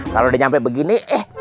kalau dia nyampe begini